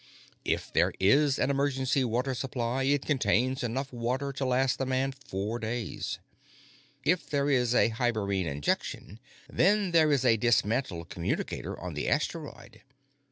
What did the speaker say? If there is an emergency water supply, it contains enough water to last the man four days. If there is a hibernine injection, then there is a dismantled communicator on the asteroid.